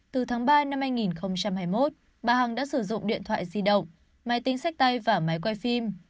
từ tháng ba năm hai nghìn hai mươi một bà hằng đã sử dụng điện thoại di động máy tính sách tay và máy quay phim